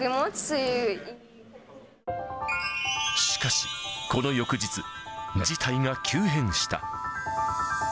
しかし、この翌日、事態が急変した。